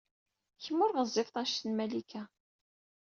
Kemm ur ɣezzifed anect n Malika.